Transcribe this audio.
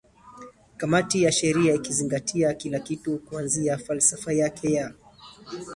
kamati ya sheria ikizingatia kila kitu kuanzia falsafa yake ya